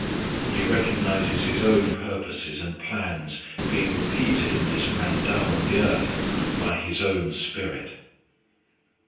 He recognizes His own purposes and plans being repeated in this man down on the earth by His own Spirit.